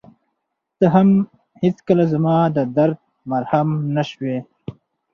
ته هم هېڅکله زما د درد مرهم نه شوې.